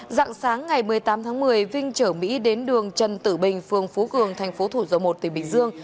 dạng sáng ngày một mươi tám tháng một mươi vinh chở mỹ đến đường trần tử bình phương phú cường tp thủ dâu một tỉnh bình dương